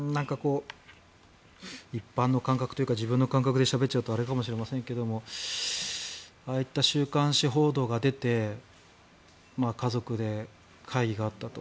一般の感覚というか自分の感覚でしゃべっちゃうとあれかもしれませんがああいった週刊誌報道が出て家族で会議があったと。